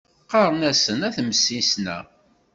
Qqaṛen-asen At Msisna.